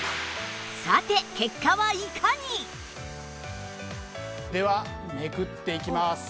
さて結果はいかに？ではめくっていきます。